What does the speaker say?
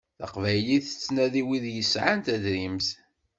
Taqbaylit tettnadi wid yesɛan tadrimt.